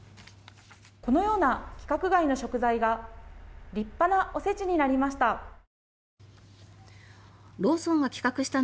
このような規格外の食材が立派なお節になりました。